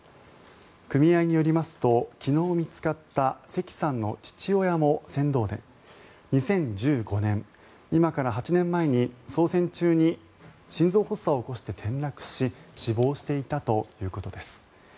組合によりますと昨日、見つかった関さんの父親も船頭で２０１５年、今から８年前に操船中に心臓発作を起こして転落し死亡していたということです。